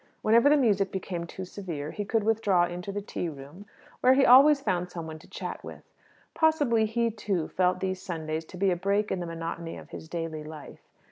Whenever the music became too severe, he could withdraw into the tea room, where he always found some one to chat with. Possibly he, too, felt these Sundays to be a break in the monotony of his daily life.